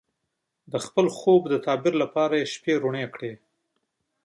د خپل خوب د تعبیر لپاره یې شپې روڼې کړې وې.